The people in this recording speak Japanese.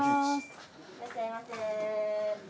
いらっしゃいませ。